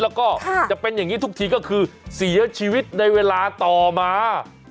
แล้วก็จะเป็นอย่างนี้ทุกทีก็คือเสียชีวิตในเวลาต่อมา